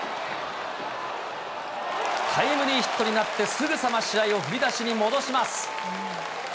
タイムリーヒットになって、すぐさま試合を振り出しに戻します。